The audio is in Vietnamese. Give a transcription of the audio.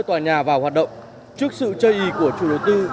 trước sự chơi ý của chủ đầu tư